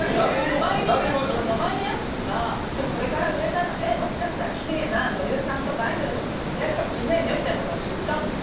前に屋敷がこれから売れたらもしかしたらきれいな女優さんとかアイドルと付き合えるかもしれないんだよみたいなこと私、言ったんです。